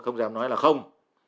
không dám nói là không